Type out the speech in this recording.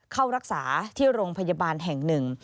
เข้ารักษาที่โรงพยาบาลแห่งหนึ่ง